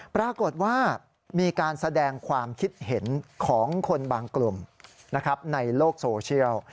ปรากฏว่ามีการแสดงความคิดเห็นของคนบางกลุ่มนะครับในโลกโซเชียล